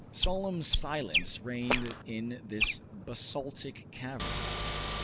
Solemn silence reigned in this basaltic cavern.